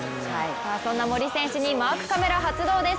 そんな森選手にマークカメラ発動です。